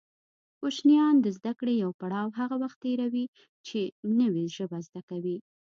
کوشنیان د زده کړې يو پړاو هغه وخت تېروي چې نوې ژبه زده کوي